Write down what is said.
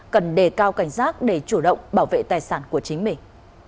cần đề cao cảnh giác để chủ động bảo vệ tài sản của chính mình